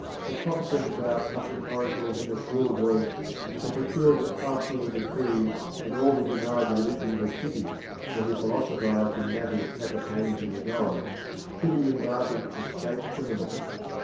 A prophet went about uttering oracles in a shrill voice, and procured the passing of a decree that all who denied the religion of the city or who philosophised in matters appertaining to the gods should be indicted as state criminals.